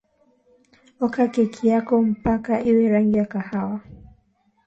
oka keki yako mpaka iwe rangi ya kahawia